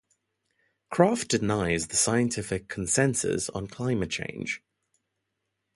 Kraft denies the scientific consensus on climate change.